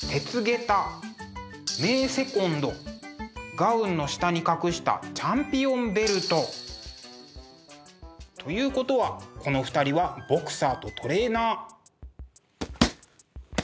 ガウンの下に隠したチャンピオンベルト。ということはこの２人はボクサーとトレーナー。